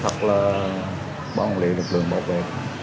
thật là báo hộ liệu lực lượng bảo vệ